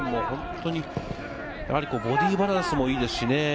ボディーバランスもいいですしね。